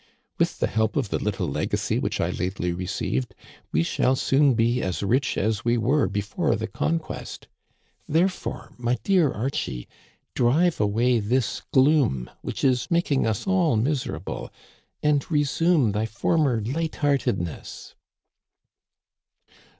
With the help of the little legacy which I lately received, we shall soon be as rich as we were before the conquest. Therefore, my dear Archie, drive away this gloom which is making us all miserable and resume thy former lightheartedness.